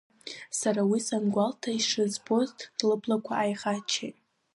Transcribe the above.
Сара уи санаагәалҭа ишызбоз лыблақәа ааихаччеит.